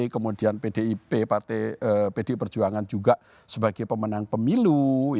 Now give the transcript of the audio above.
kemudian pdip partai pdi perjuangan juga sebagai pemenang pemilu